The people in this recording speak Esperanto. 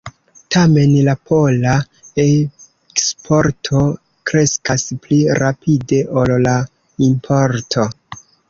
Tamen la pola eksporto kreskas pli rapide ol la importo.